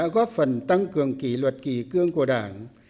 góp phần tăng cường kỷ luật kỷ cương của đảng